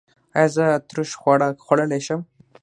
ایا زه ترش خواړه خوړلی شم؟